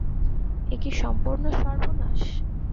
এ কী সম্পূর্ণ সর্বনাশ।